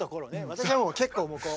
私はもう結構もうこう。